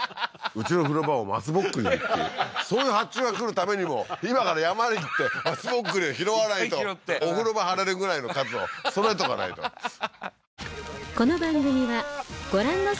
「うちの風呂場を松ぼっくりに」ってそういう発注が来るためにも今から山に行って松ぼっくりを拾わないといっぱい拾ってお風呂場貼れるぐらいの数をそろえとかないとははははっ